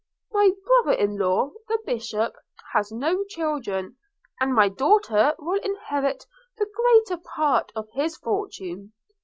My brother in law, the bishop, has no children and my daughter will inherit the greater part of his fortune.